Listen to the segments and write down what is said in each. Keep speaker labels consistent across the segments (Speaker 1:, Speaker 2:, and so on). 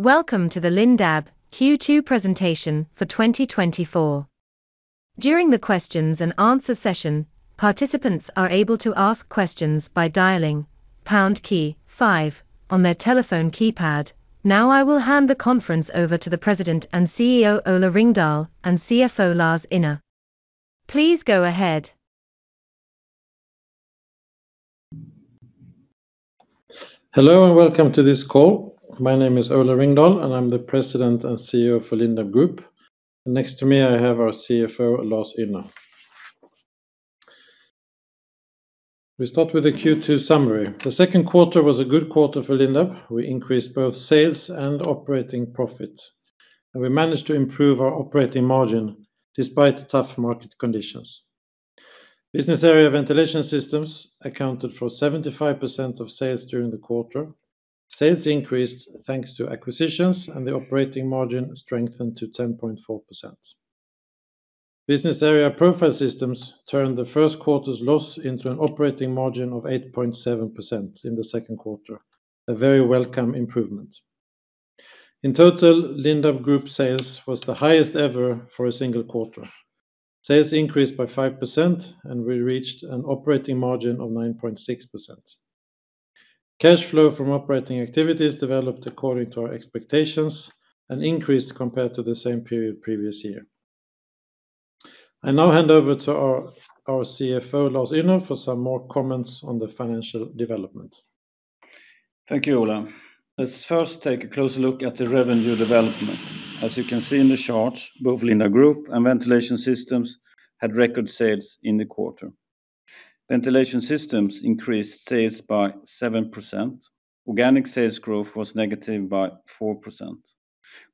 Speaker 1: Welcome to the Lindab Q2 presentation for 2024. During the questions and answer session, participants are able to ask questions by dialing pound key five on their telephone keypad. Now, I will hand the conference over to the President and CEO, Ola Ringdahl, and CFO, Lars Ynner. Please go ahead.
Speaker 2: Hello, and welcome to this call. My name is Ola Ringdahl, and I'm the President and CEO for Lindab Group. Next to me, I have our CFO, Lars Ynner. We start with the Q2 summary. The second quarter was a good quarter for Lindab. We increased both sales and operating profit, and we managed to improve our operating margin despite tough market conditions. Business area Ventilation Systems accounted for 75% of sales during the quarter. Sales increased, thanks to acquisitions, and the operating margin strengthened to 10.4%. Business area Profile Systems turned the first quarter's loss into an operating margin of 8.7% in the second quarter, a very welcome improvement. In total, Lindab Group sales was the highest ever for a single quarter. Sales increased by 5%, and we reached an operating margin of 9.6%. Cash flow from operating activities developed according to our expectations and increased compared to the same period previous year. I now hand over to our CFO, Lars Ynner, for some more comments on the financial development.
Speaker 3: Thank you, Ola. Let's first take a closer look at the revenue development. As you can see in the charts, both Lindab Group and Ventilation Systems had record sales in the quarter. Ventilation Systems increased sales by 7%. Organic sales growth was negative by 4%,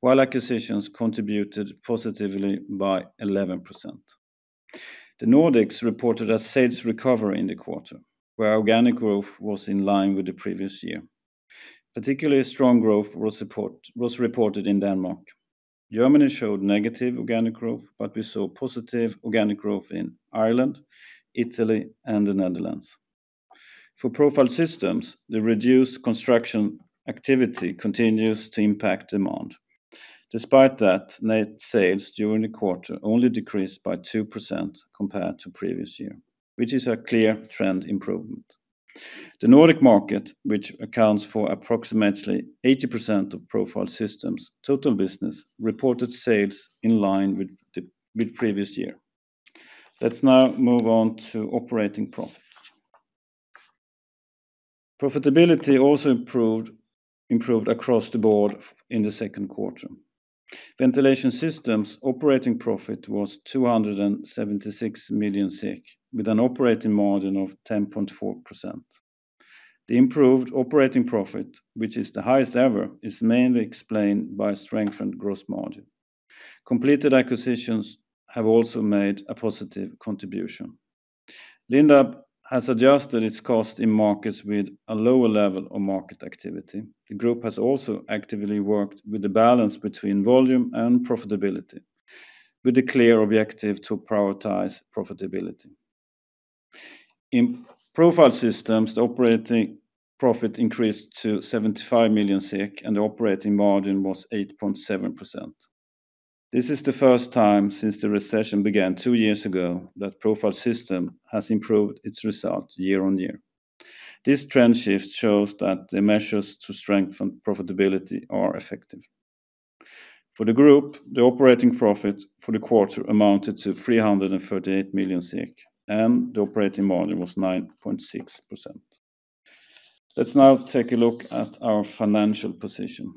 Speaker 3: while acquisitions contributed positively by 11%. The Nordics reported a sales recovery in the quarter, where organic growth was in line with the previous year. Particularly strong growth was reported in Denmark. Germany showed negative organic growth, but we saw positive organic growth in Ireland, Italy, and the Netherlands. For Profile Systems, the reduced construction activity continues to impact demand. Despite that, net sales during the quarter only decreased by 2% compared to previous year, which is a clear trend improvement. The Nordic market, which accounts for approximately 80% of Profile Systems' total business, reported sales in line with the previous year. Let's now move on to operating profit. Profitability also improved across the board in the second quarter. Ventilation Systems' operating profit was 276 million SEK, with an operating margin of 10.4%. The improved operating profit, which is the highest ever, is mainly explained by strengthened gross margin. Completed acquisitions have also made a positive contribution. Lindab has adjusted its cost in markets with a lower level of market activity. The group has also actively worked with the balance between volume and profitability, with a clear objective to prioritize profitability. In Profile Systems, the operating profit increased to 75 million SEK, and the operating margin was 8.7%. This is the first time since the recession began two years ago, that Profile Systems has improved its results year-on-year. This trend shift shows that the measures to strengthen profitability are effective. For the group, the operating profit for the quarter amounted to 338 million SEK, and the operating margin was 9.6%. Let's now take a look at our financial position.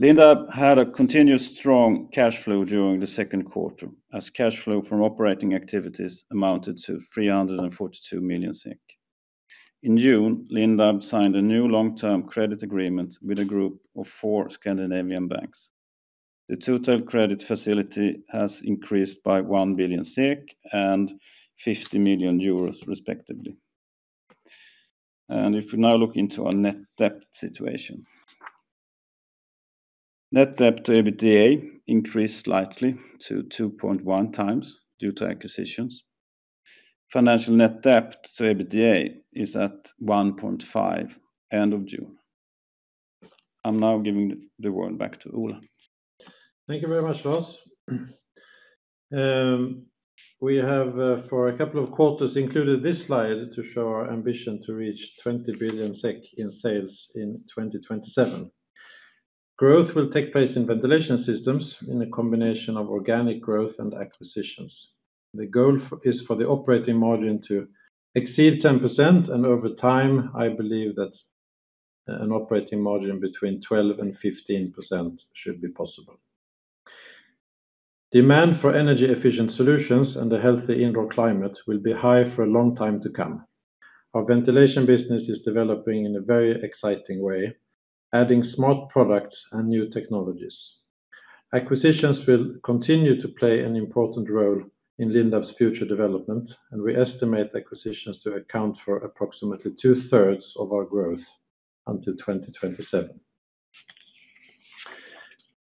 Speaker 3: Lindab had a continuous strong cash flow during the second quarter, as cash flow from operating activities amounted to 342 million SEK. In June, Lindab signed a new long-term credit agreement with a group of four Scandinavian banks. The total credit facility has increased by 1 billion SEK and 50 million euros, respectively. If you now look into our net debt situation. Net debt to EBITDA increased slightly to 2.1x due to acquisitions. Financial net debt to EBITDA is at 1.5x, end of June. I'm now giving the word back to Ola.
Speaker 2: Thank you very much, Lars. We have, for a couple of quarters, included this slide to show our ambition to reach 20 billion SEK in sales in 2027. Growth will take place in Ventilation Systems in a combination of organic growth and acquisitions. The goal is for the operating margin to exceed 10%, and over time, I believe that an operating margin between 12% and 15% should be possible. Demand for energy-efficient solutions and the healthy indoor climate will be high for a long time to come. Our ventilation business is developing in a very exciting way, adding smart products and new technologies. Acquisitions will continue to play an important role in Lindab's future development, and we estimate acquisitions to account for approximately 2/3 of our growth until 2027.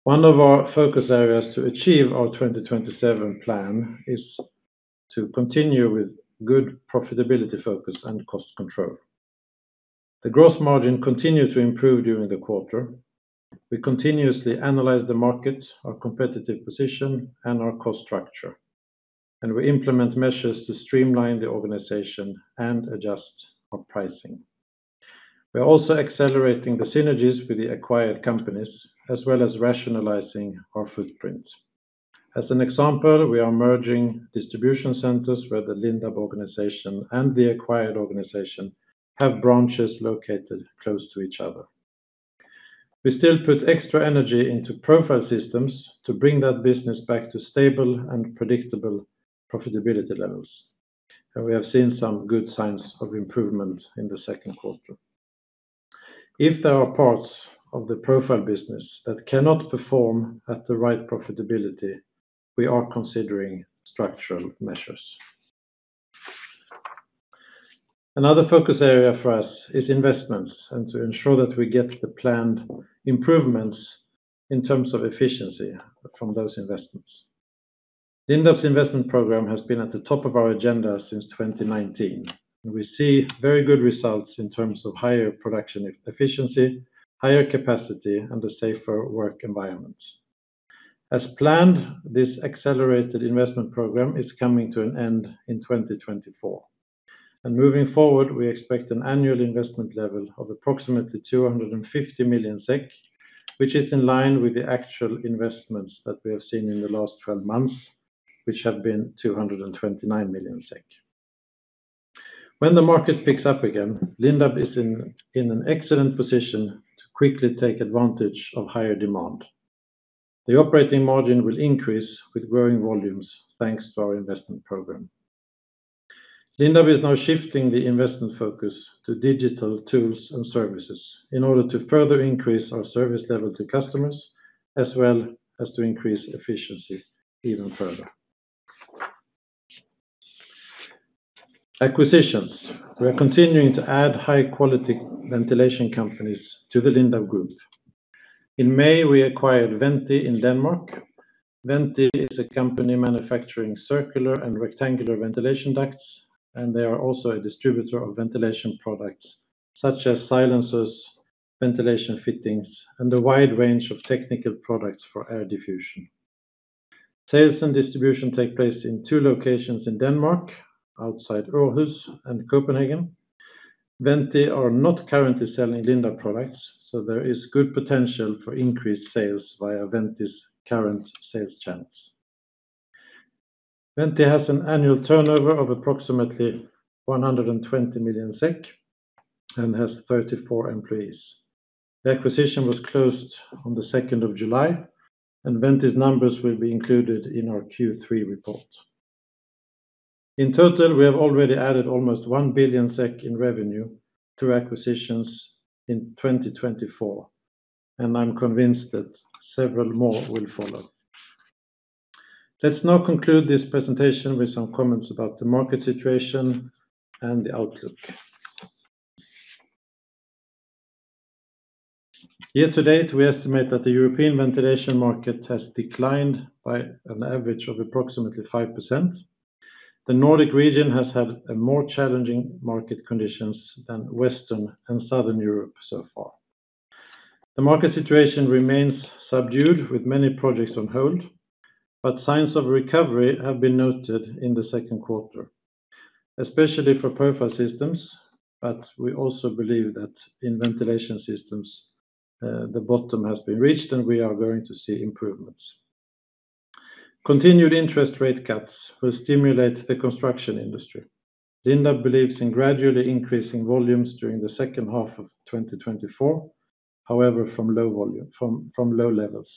Speaker 2: One of our focus areas to achieve our 2027 plan is to continue with good profitability focus and cost control. The gross margin continued to improve during the quarter. We continuously analyze the market, our competitive position, and our cost structure, and we implement measures to streamline the organization and adjust our pricing. We're also accelerating the synergies with the acquired companies, as well as rationalizing our footprint. As an example, we are merging distribution centers, where the Lindab organization and the acquired organization have branches located close to each other. We still put extra energy into Profile Systems to bring that business back to stable and predictable profitability levels, and we have seen some good signs of improvement in the second quarter. If there are parts of the Profile business that cannot perform at the right profitability, we are considering structural measures. Another focus area for us is investments, and to ensure that we get the planned improvements in terms of efficiency from those investments. Lindab's investment program has been at the top of our agenda since 2019, and we see very good results in terms of higher production efficiency, higher capacity, and a safer work environment. As planned, this accelerated investment program is coming to an end in 2024, and moving forward, we expect an annual investment level of approximately 250 million SEK, which is in line with the actual investments that we have seen in the last 12 months, which have been 229 million SEK. When the market picks up again, Lindab is in an excellent position to quickly take advantage of higher demand. The operating margin will increase with growing volumes, thanks to our investment program. Lindab is now shifting the investment focus to digital tools and services in order to further increase our service level to customers, as well as to increase efficiency even further. Acquisitions. We are continuing to add high-quality ventilation companies to the Lindab Group. In May, we acquired Venti in Denmark. Venti is a company manufacturing circular and rectangular ventilation ducts, and they are also a distributor of ventilation products, such as silencers, ventilation fittings, and a wide range of technical products for air diffusion. Sales and distribution take place in two locations in Denmark, outside Aarhus and Copenhagen. Venti are not currently selling Lindab products, so there is good potential for increased sales via Venti's current sales channels. Venti has an annual turnover of approximately 120 million SEK, and has 34 employees. The acquisition was closed on the second of July, and Venti's numbers will be included in our Q3 report. In total, we have already added almost 1 billion SEK in revenue through acquisitions in 2024, and I'm convinced that several more will follow. Let's now conclude this presentation with some comments about the market situation and the outlook. Year to date, we estimate that the European ventilation market has declined by an average of approximately 5%. The Nordic region has had more challenging market conditions than Western and Southern Europe so far. The market situation remains subdued, with many projects on hold, but signs of recovery have been noted in the second quarter, especially for Profile Systems, but we also believe that in Ventilation Systems, the bottom has been reached, and we are going to see improvements. Continued interest rate cuts will stimulate the construction industry. Lindab believes in gradually increasing volumes during the second half of 2024, however, from low levels.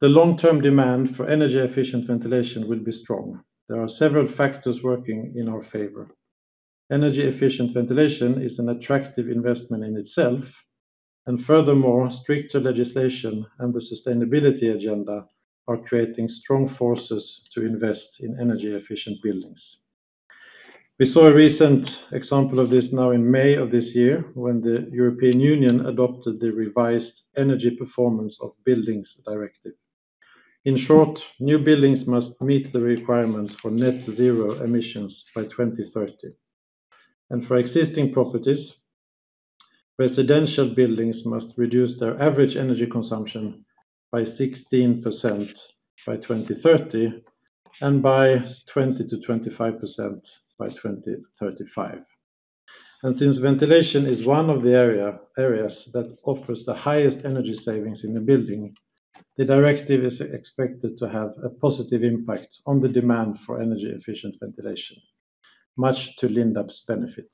Speaker 2: The long-term demand for energy-efficient ventilation will be strong. There are several factors working in our favor. Energy-efficient ventilation is an attractive investment in itself, and furthermore, stricter legislation and the sustainability agenda are creating strong forces to invest in energy-efficient buildings. We saw a recent example of this now in May of this year, when the European Union adopted the revised Energy Performance of Buildings Directive. In short, new buildings must meet the requirements for net zero emissions by 2030, and for existing properties, residential buildings must reduce their average energy consumption by 16% by 2030, and by 20%-25% by 2035. Since ventilation is one of the areas that offers the highest energy savings in a building, the directive is expected to have a positive impact on the demand for energy-efficient ventilation, much to Lindab's benefit.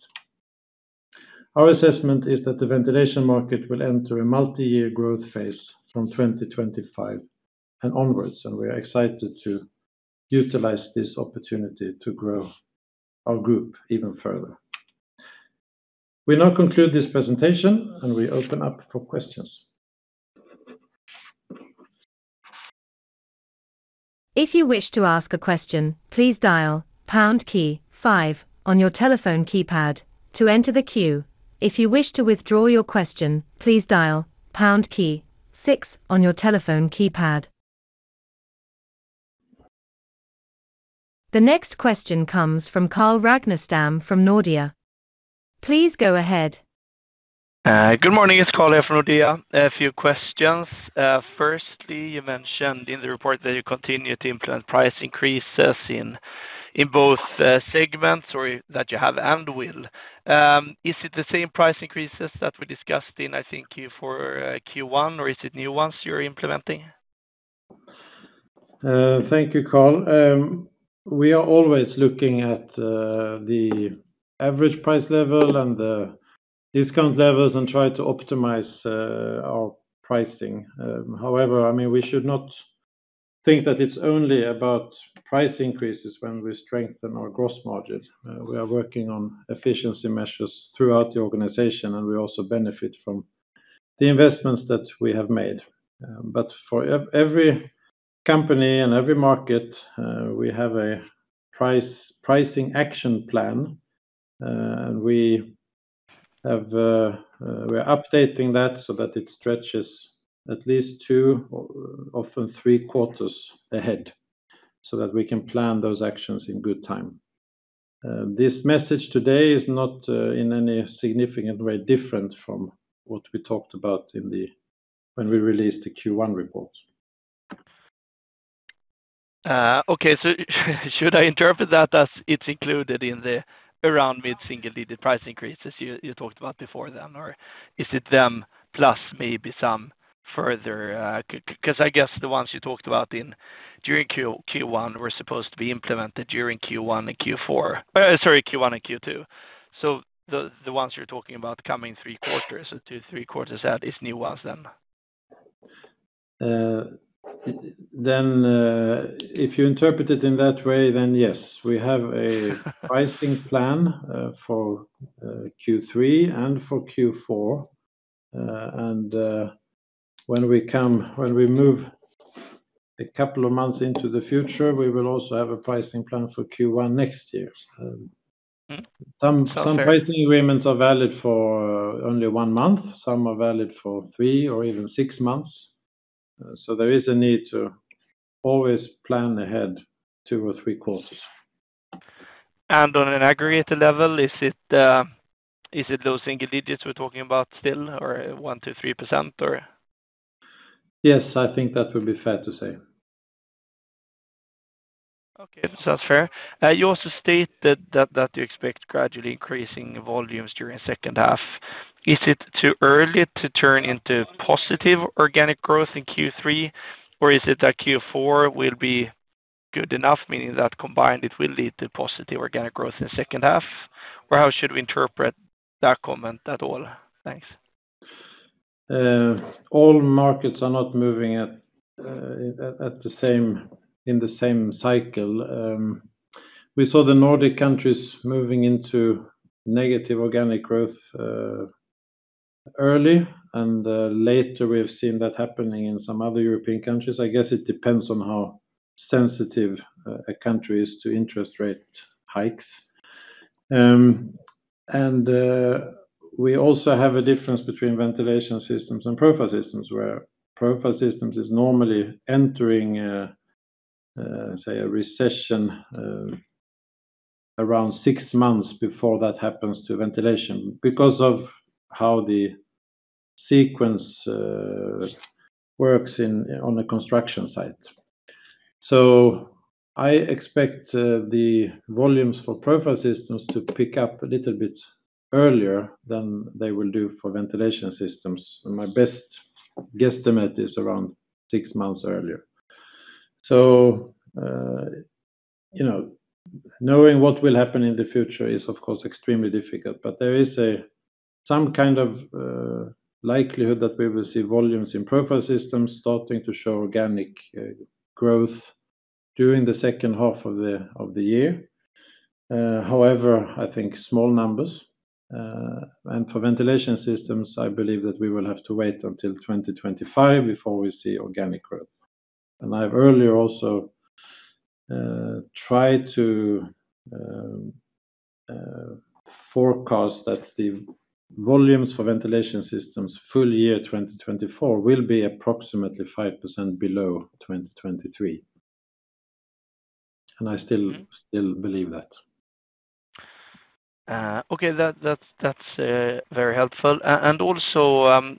Speaker 2: Our assessment is that the ventilation market will enter a multi-year growth phase from 2025 and onwards, and we are excited to utilize this opportunity to grow our group even further. We now conclude this presentation, and we open up for questions.
Speaker 1: If you wish to ask a question, please dial pound key five on your telephone keypad to enter the queue. If you wish to withdraw your question, please dial pound key six on your telephone keypad. The next question comes from Carl Ragnerstam from Nordea. Please go ahead.
Speaker 4: Good morning. It's Carl here from Nordea. A few questions. Firstly, you mentioned in the report that you continue to implement price increases in, in both, segments or that you have and will. Is it the same price increases that we discussed in, I think, Q- for Q1, or is it new ones you're implementing?
Speaker 2: Thank you, Carl. We are always looking at the average price level and the discount levels and try to optimize our pricing. However, I mean, we should not think that it's only about price increases when we strengthen our gross margin. We are working on efficiency measures throughout the organization, and we also benefit from the investments that we have made. But for every company and every market, we have a pricing action plan, and we're updating that so that it stretches at least two, or often three quarters ahead, so that we can plan those actions in good time. This message today is not in any significant way different from what we talked about when we released the Q1 report.
Speaker 4: Okay, so should I interpret that as it's included in the around mid-single-digit price increases you talked about before then, or is it them plus maybe some further... 'cause I guess the ones you talked about in during Q1 were supposed to be implemented during Q1 and Q2. So the ones you're talking about coming three quarters or two, three quarters out is new ones then?
Speaker 2: Then, if you interpret it in that way, then yes. We have a pricing plan for Q3 and for Q4. When we move a couple of months into the future, we will also have a pricing plan for Q1 next year. Some pricing agreements are valid for only one month, some are valid for three or even six months. So there is a need to always plan ahead two or three quarters.
Speaker 4: On an aggregated level, is it those single digits we're talking about still, or 1%-3%, or?
Speaker 2: Yes, I think that would be fair to say.
Speaker 4: Okay, sounds fair. You also stated that you expect gradually increasing volumes during the second half. Is it too early to turn into positive organic growth in Q3? Or is it that Q4 will be good enough, meaning that combined, it will lead to positive organic growth in the second half? Or how should we interpret that comment at all? Thanks.
Speaker 2: All markets are not moving at the same, in the same cycle. We saw the Nordic countries moving into negative organic growth early, and later we have seen that happening in some other European countries. I guess it depends on how sensitive a country is to interest rate hikes. We also have a difference between Ventilation Systems and Profile Systems, where Profile Systems is normally entering say a recession around six months before that happens to ventilation because of how the sequence works in on a construction site. So I expect the volumes for Profile Systems to pick up a little bit earlier than they will do for Ventilation Systems, and my best guesstimate is around six months earlier. So, you know, knowing what will happen in the future is, of course, extremely difficult, but there is some kind of likelihood that we will see volumes in Profile Systems starting to show organic growth during the second half of the year. However, I think small numbers, and for Ventilation Systems, I believe that we will have to wait until 2025 before we see organic growth. And I've earlier also tried to forecast that the volumes for Ventilation Systems full year 2024 will be approximately 5% below 2023. And I still believe that.
Speaker 4: Okay, that's very helpful. And also,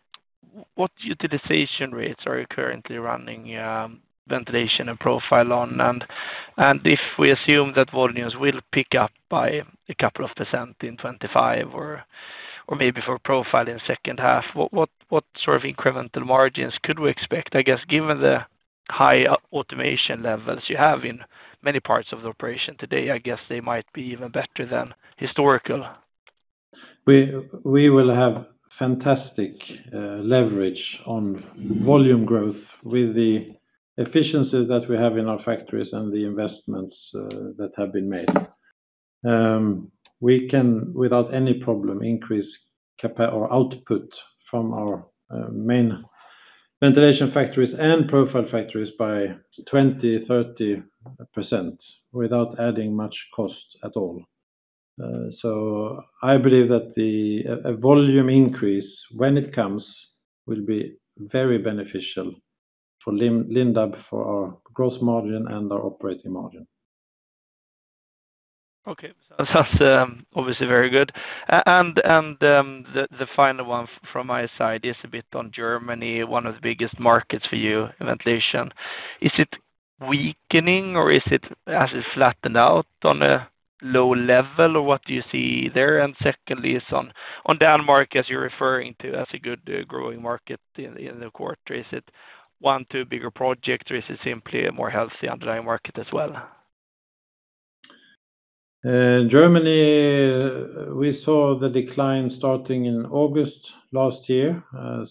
Speaker 4: what utilization rates are you currently running, ventilation and profile on? And if we assume that volumes will pick up by a couple of percent in 2025 or maybe for profile in the second half, what sort of incremental margins could we expect? I guess, given the high automation levels you have in many parts of the operation today, I guess they might be even better than historical.
Speaker 2: We will have fantastic leverage on volume growth with the efficiencies that we have in our factories and the investments that have been made. We can, without any problem, increase or output from our main ventilation factories and profile factories by 20%-30% without adding much cost at all. So I believe that a volume increase, when it comes, will be very beneficial for Lindab, for our gross margin and our operating margin.
Speaker 4: Okay. So that's obviously very good. And the final one from my side is a bit on Germany, one of the biggest markets for you in ventilation. Is it weakening, or is it has it flattened out on a low level, or what do you see there? And secondly, is on Denmark, as you're referring to, that's a good growing market in the quarter. Is it one, two bigger projects, or is it simply a more healthy underlying market as well?
Speaker 2: Germany, we saw the decline starting in August last year.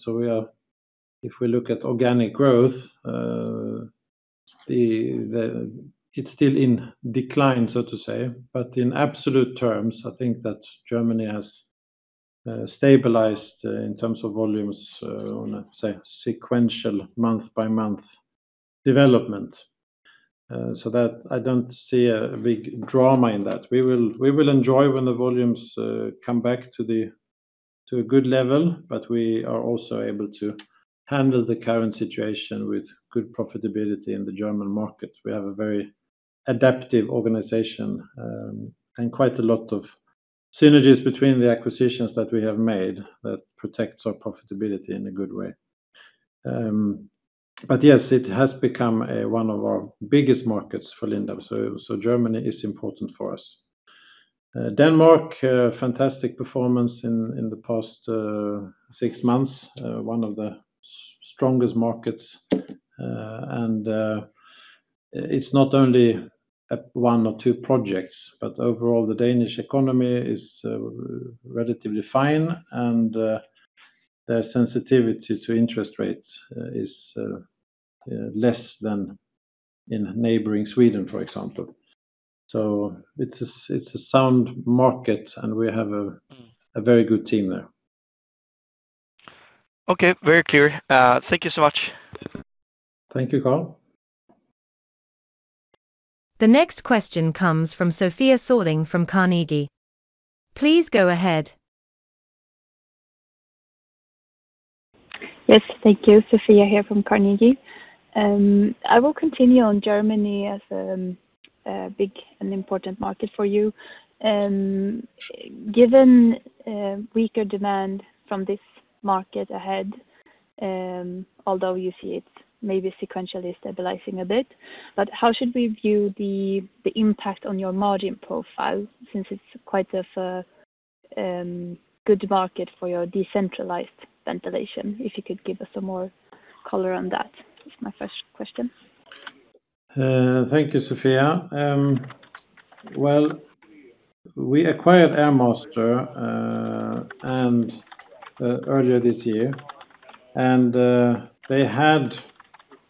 Speaker 2: So we are—if we look at organic growth, it's still in decline, so to say. But in absolute terms, I think that Germany has stabilized in terms of volumes on a, say, sequential month-by-month development. So that I don't see a big drama in that. We will enjoy when the volumes come back to a good level, but we are also able to handle the current situation with good profitability in the German market. We have a very adaptive organization, and quite a lot of synergies between the acquisitions that we have made that protects our profitability in a good way. But yes, it has become a one of our biggest markets for Lindab, so Germany is important for us. Denmark, a fantastic performance in the past six months, one of the strongest markets. And it's not only one or two projects, but overall, the Danish economy is relatively fine, and their sensitivity to interest rates is less than in neighboring Sweden, for example. So it's a sound market, and we have a-
Speaker 4: Mm...
Speaker 2: a very good team there.
Speaker 4: Okay, very clear. Thank you so much.
Speaker 2: Thank you, Carl.
Speaker 1: The next question comes from Sofia Sörling from Carnegie. Please go ahead.
Speaker 5: Yes, thank you. Sofia here from Carnegie. I will continue on Germany as a big and important market for you. Given weaker demand from this market ahead, although you see it maybe sequentially stabilizing a bit, but how should we view the impact on your margin profile, since it's quite a good market for your decentralized ventilation? If you could give us some more color on that, is my first question.
Speaker 2: Thank you, Sofia. Well, we acquired Airmaster earlier this year, and they had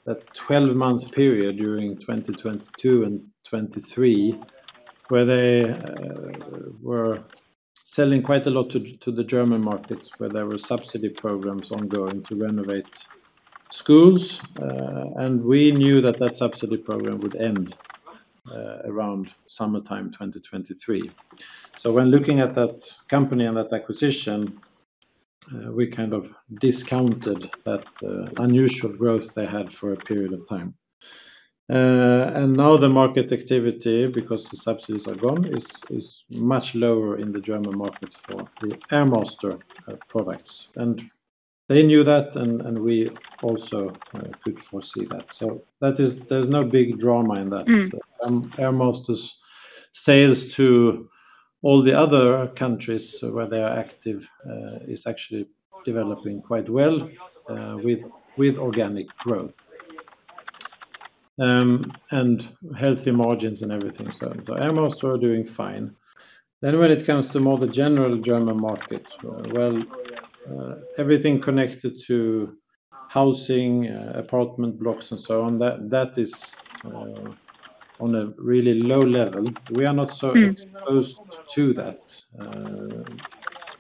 Speaker 2: a 12-month period during 2022 and 2023, where they were selling quite a lot to the German markets, where there were subsidy programs ongoing to renovate schools. And we knew that that subsidy program would end around summertime 2023. So when looking at that company and that acquisition, we kind of discounted that unusual growth they had for a period of time. And now the market activity, because the subsidies are gone, is much lower in the German market for the Airmaster products. And they knew that, and we also could foresee that. So that is, there's no big drama in that.
Speaker 5: Mm.
Speaker 2: Airmaster's sales to all the other countries where they are active is actually developing quite well with organic growth. And healthy margins and everything, so Airmaster are doing fine. Then when it comes to more the general German market, well, everything connected to housing, apartment blocks, and so on, that is on a really low level.
Speaker 5: Mm.
Speaker 2: We are not so exposed to that.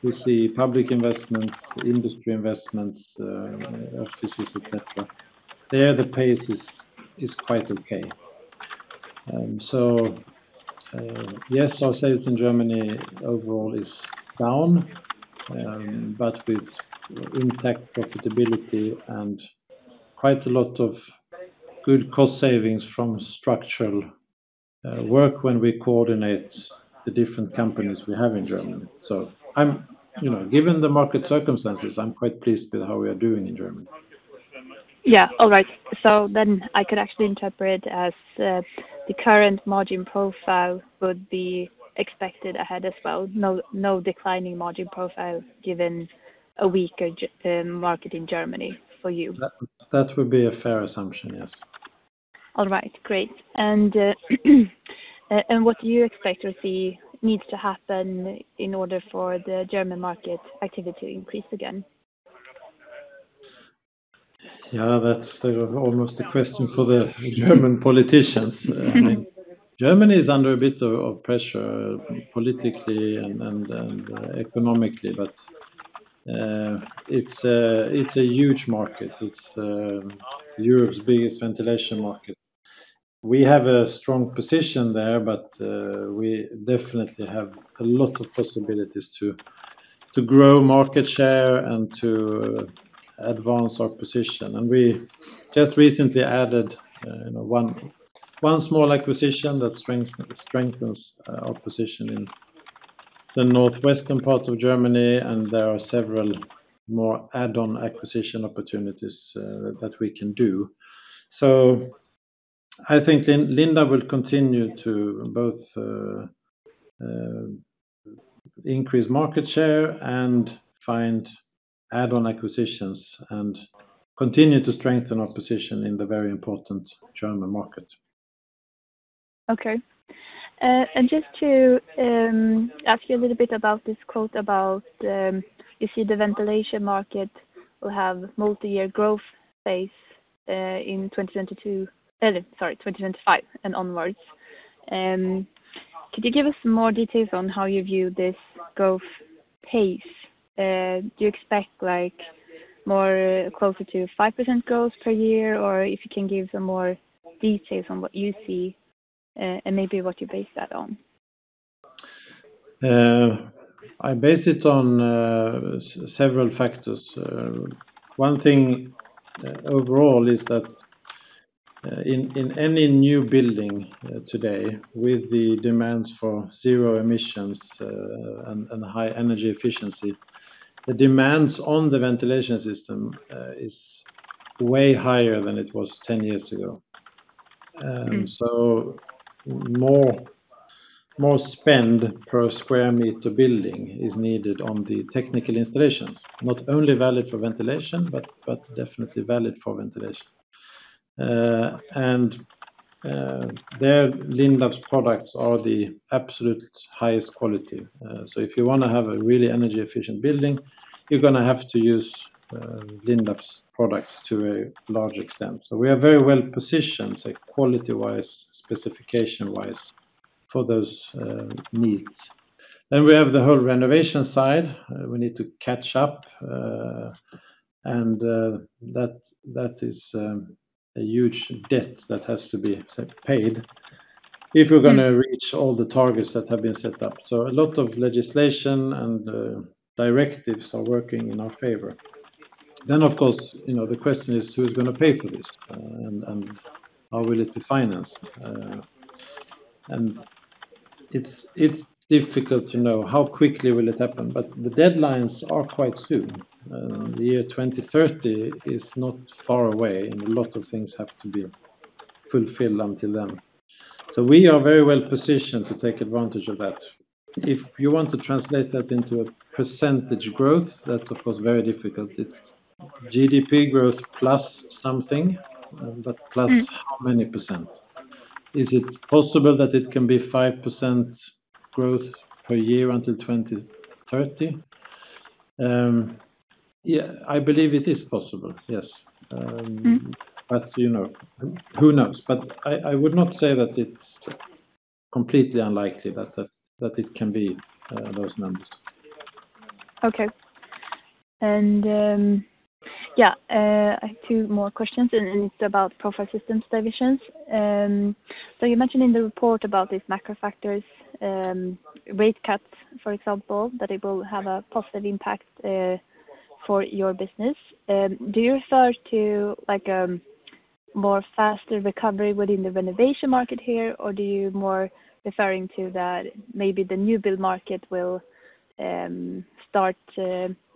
Speaker 2: We see public investment, industry investments, offices, et cetera. There, the pace is quite okay. So, yes, our sales in Germany overall is down, but with intact profitability and quite a lot of good cost savings from structural work when we coordinate the different companies we have in Germany. So I'm, you know, given the market circumstances, I'm quite pleased with how we are doing in Germany.
Speaker 5: Yeah. All right. So then I could actually interpret as, the current margin profile would be expected ahead as well, no, no declining margin profile, given a weaker market in Germany for you?
Speaker 2: That, that would be a fair assumption, yes.
Speaker 5: All right, great. What do you expect or see needs to happen in order for the German market activity to increase again?
Speaker 2: Yeah, that's almost a question for the German politicians. Germany is under a bit of pressure, politically and economically, but it's a huge market. It's Europe's biggest ventilation market. We have a strong position there, but we definitely have a lot of possibilities to grow market share and to advance our position. And we just recently added one small acquisition that strengthens our position in the northwestern part of Germany, and there are several more add-on acquisition opportunities that we can do. So I think Lindab will continue to both increase market share and find add-on acquisitions, and continue to strengthen our position in the very important German market.
Speaker 5: Okay. And just to ask you a little bit about this quote about, you see the ventilation market will have multi-year growth phase, in 2022—sorry, 2025 and onwards. Could you give us more details on how you view this growth pace? Do you expect, like, more closer to 5% growth per year, or if you can give some more details on what you see, and maybe what you base that on?
Speaker 2: I base it on several factors. One thing overall is that in any new building today, with the demands for zero emissions and high energy efficiency, the demands on the ventilation system is way higher than it was 10 years ago. So more spend per square meter building is needed on the technical installations, not only valid for ventilation, but definitely valid for ventilation. And there, Lindab's products are the absolute highest quality. So if you wanna have a really energy-efficient building, you're gonna have to use Lindab's products to a large extent. So we are very well positioned, say, quality-wise, specification-wise, for those needs. Then we have the whole renovation side. We need to catch up, and that is a huge debt that has to be paid if we're gonna reach all the targets that have been set up. So a lot of legislation and directives are working in our favor. Then, of course, you know, the question is, who's gonna pay for this? And how will it be financed? And it's difficult to know how quickly will it happen, but the deadlines are quite soon. The year 2030 is not far away, and a lot of things have to be fulfilled until then. So we are very well positioned to take advantage of that. If you want to translate that into a percentage growth, that, of course, very difficult. It's GDP growth plus something, but plus how many percent? Is it possible that it can be 5% growth per year until 2030? Yeah, I believe it is possible, yes.
Speaker 5: Mm-hmm.
Speaker 2: But, you know, who knows? But I would not say that it's completely unlikely that it can be those numbers.
Speaker 5: Okay. And, yeah, I have two more questions, and it's about Profile Systems divisions. So you mentioned in the report about these macro factors, rate cuts, for example, that it will have a positive impact for your business. Do you refer to, like, more faster recovery within the renovation market here, or do you more referring to that maybe the new build market will start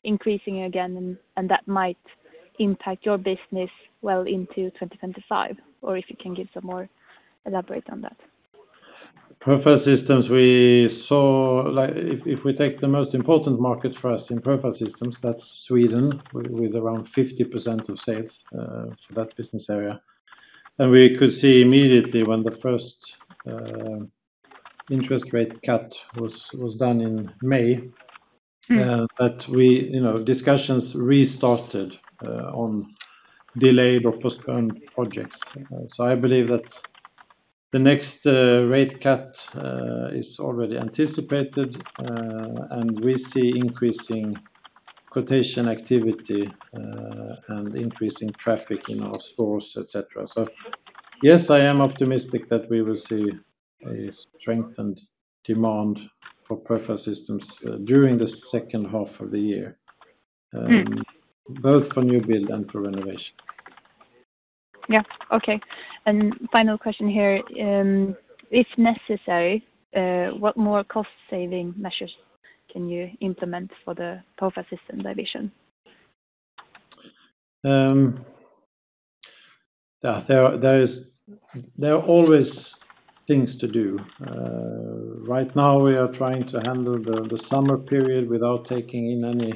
Speaker 5: increasing again, and that might impact your business well into 2025? Or if you can give some more... Elaborate on that.
Speaker 2: Profile Systems, we saw, like if, if we take the most important market for us in Profile Systems, that's Sweden, with around 50% of sales, so that business area. And we could see immediately when the first interest rate cut was done in May-
Speaker 5: Mm...
Speaker 2: that we, you know, discussions restarted on delayed or postponed projects. So I believe that the next rate cut is already anticipated, and we see increasing quotation activity and increase in traffic in our stores, et cetera. So yes, I am optimistic that we will see a strengthened demand for Profile Systems during the second half of the year-
Speaker 5: Mm...
Speaker 2: both for new build and for renovation.
Speaker 5: Yeah. Okay. Final question here, if necessary, what more cost-saving measures can you implement for the Profile Systems division?
Speaker 2: Yeah, there are always things to do. Right now we are trying to handle the summer period without taking in any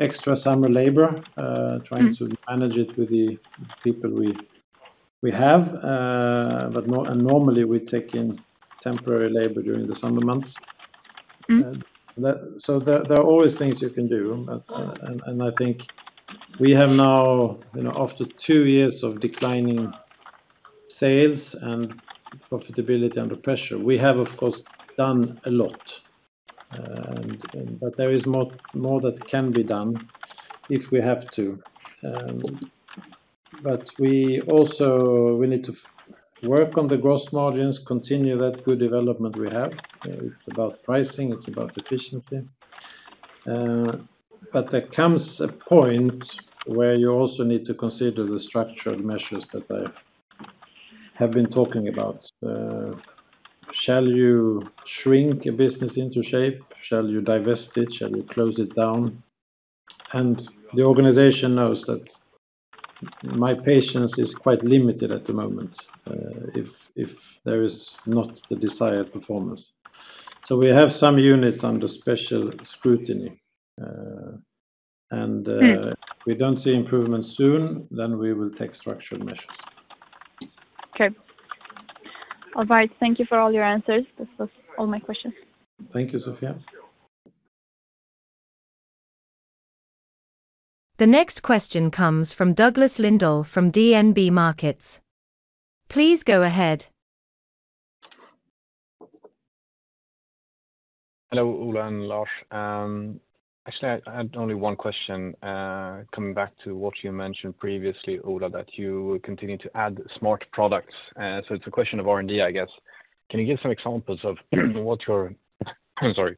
Speaker 2: extra summer labor.
Speaker 5: Mm...
Speaker 2: trying to manage it with the people we have. But normally, we take in temporary labor during the summer months. And so there are always things you can do, and I think we have now, you know, after two years of declining sales and profitability under pressure, we have, of course, done a lot. But there is more that can be done if we have to. But we also, we need to work on the gross margins, continue that good development we have. It's about pricing, it's about efficiency. But there comes a point where you also need to consider the structural measures that I have been talking about. Shall you shrink a business into shape? Shall you divest it? Shall you close it down? The organization knows that my patience is quite limited at the moment, if there is not the desired performance. So we have some units under special scrutiny, and
Speaker 5: Mm...
Speaker 2: if we don't see improvement soon, then we will take structural measures.
Speaker 5: Okay. All right. Thank you for all your answers. This was all my questions.
Speaker 2: Thank you, Sofia.
Speaker 1: The next question comes from Douglas Lindahl from DNB Markets. Please go ahead.
Speaker 6: Hello, Ola and Lars. Actually, I had only one question, coming back to what you mentioned previously, Ola, that you continue to add smart products. So it's a question of R&D, I guess. Can you give some examples of what you're, I'm sorry,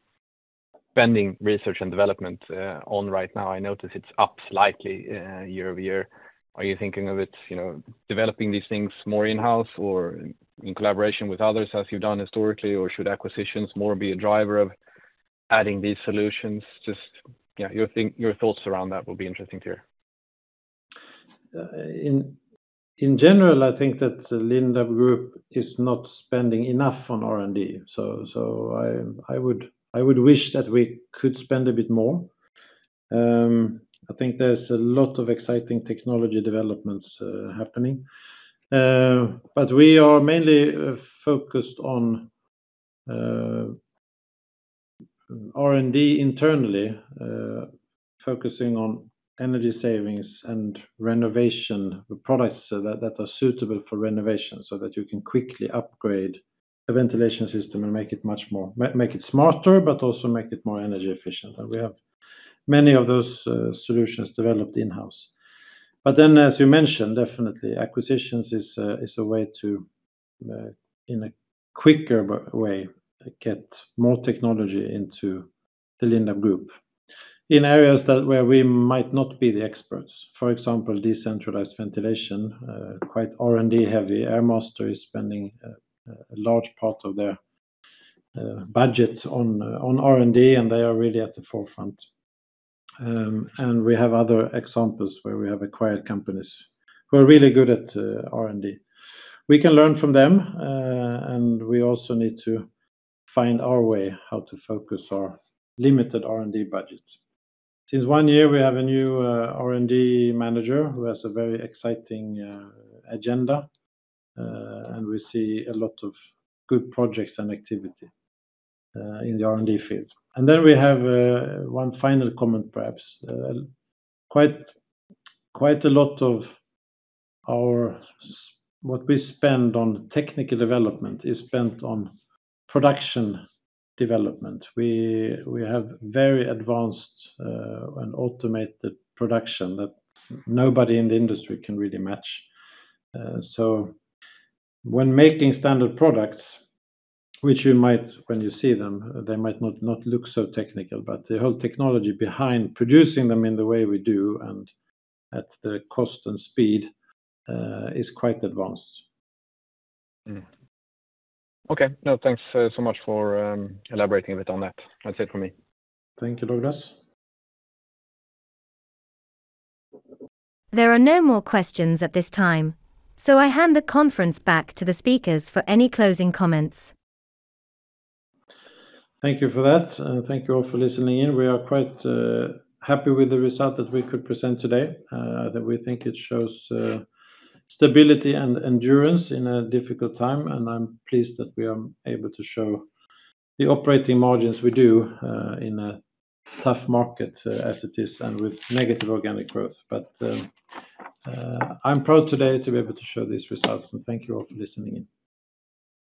Speaker 6: spending research and development on right now? I notice it's up slightly year over year. Are you thinking of it, you know, developing these things more in-house or in collaboration with others as you've done historically, or should acquisitions more be a driver of adding these solutions? Just yeah, your thoughts around that will be interesting to hear.
Speaker 2: In general, I think that the Lindab Group is not spending enough on R&D, so I would wish that we could spend a bit more. I think there's a lot of exciting technology developments happening. But we are mainly focused on R&D internally, focusing on energy savings and renovation, the products that are suitable for renovation, so that you can quickly upgrade the ventilation system and make it much more smarter, but also make it more energy efficient. And we have many of those solutions developed in-house. But then, as you mentioned, definitely acquisitions is a way to, in a quicker way, get more technology into the Lindab Group. In areas that where we might not be the experts, for example, decentralized ventilation, quite R&D heavy. Airmaster is spending a large part of their budget on R&D, and they are really at the forefront. We have other examples where we have acquired companies who are really good at R&D. We can learn from them, and we also need to find our way, how to focus our limited R&D budget. Since one year, we have a new R&D manager who has a very exciting agenda, and we see a lot of good projects and activity in the R&D field. Then we have one final comment, perhaps. Quite a lot of our what we spend on technical development is spent on production development. We have very advanced and automated production that nobody in the industry can really match. So when making standard products, which you might, when you see them, they might not look so technical, but the whole technology behind producing them in the way we do and at the cost and speed is quite advanced.
Speaker 6: Mm-hmm. Okay. Now, thanks so much for elaborating a bit on that. That's it for me.
Speaker 2: Thank you, Douglas.
Speaker 1: There are no more questions at this time, so I hand the conference back to the speakers for any closing comments.
Speaker 2: Thank you for that, and thank you all for listening in. We are quite happy with the result that we could present today, that we think it shows stability and endurance in a difficult time, and I'm pleased that we are able to show the operating margins we do in a tough market, as it is, and with negative organic growth. But, I'm proud today to be able to show these results, and thank you all for listening in.